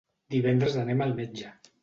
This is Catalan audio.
Divendres anem al metge.